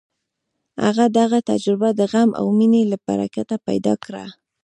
هغه دغه تجربه د غم او مینې له برکته پیدا کړه